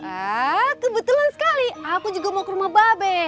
ah kebetulan sekali aku juga mau ke rumah babe